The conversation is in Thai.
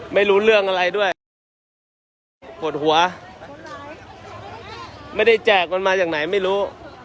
ไม่รู้เรื่องอะไรด้วยปวดหัวไม่ได้แจกมันมาจากไหนไม่รู้